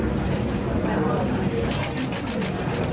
ไปพบผู้ราชการกรุงเทพมหานครอาจารย์ชาติชาติฝิทธิพันธ์นะครับ